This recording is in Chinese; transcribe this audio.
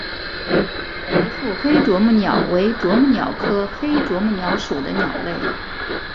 白腹黑啄木鸟为啄木鸟科黑啄木鸟属的鸟类。